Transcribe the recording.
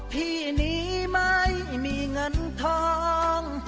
ที่นี้ไม่มีเงินทอง